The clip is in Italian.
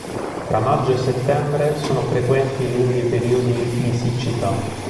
Tra maggio e settembre sono frequenti lunghi periodi di siccità.